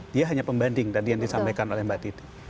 dia hanya pembanding tadi yang disampaikan oleh mbak titi